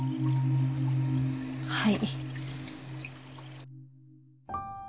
はい。